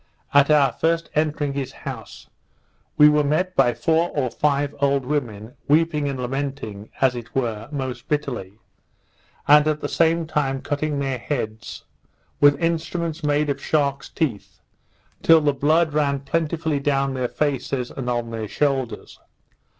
At our first entering his house, we were met by four or five old women, weeping and lamenting, as it were, most bitterly, and at the same time cutting their heads, with instruments made of shark's teeth, till the blood ran plentifully down their faces and on their shoulders.